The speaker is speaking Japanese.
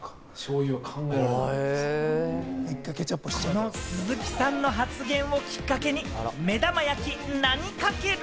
この鈴木さんの発言をきっかけに、目玉焼き、何かける？